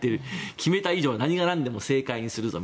決めた以上は何がなんでも正解にするぞと。